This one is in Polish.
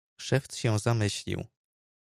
"Szewc się zamyślił."